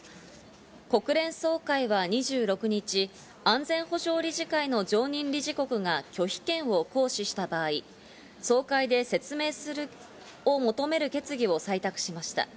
国連総会は２６日、安全保障理事会の常任理事国が拒否権を行使した場合、総会で説明を求める決議を採択しました。